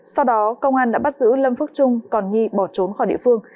sau đó công an đã bắt giữ lâm phước trung còn nhi bỏ trốn khỏi địa phương